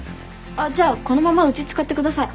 あっじゃあこのままうち使ってください。